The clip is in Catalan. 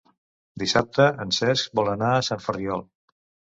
Dissabte en Cesc vol anar a Sant Ferriol.